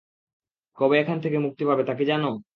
কবে এখান থেকে মুক্তি পাবে তাকি জানো?